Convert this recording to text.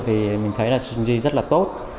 thì mình thấy là stringy rất là tốt